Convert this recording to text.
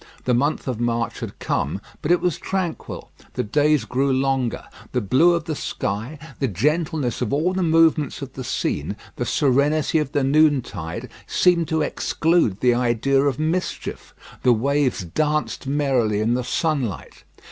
The month of March had come, but it was tranquil. The days grew longer. The blue of the sky, the gentleness of all the movements of the scene, the serenity of the noontide, seemed to exclude the idea of mischief. The waves danced merrily in the sunlight.